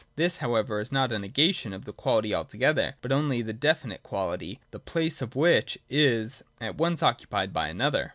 This however is not a negation of quality altogether, but only of this definite quality, the place of which is at once occupied by another.